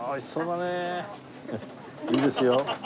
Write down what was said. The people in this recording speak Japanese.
いいですよ。